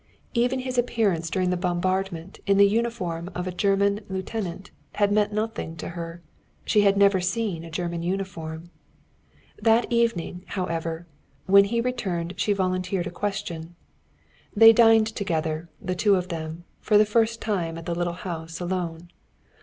Even his appearance during the bombardment in the uniform of a German lieutenant had meant nothing to her. She had never seen a German uniform. That evening, however, when he returned she ventured a question. They dined together, the two of them, for the first time at the little house alone.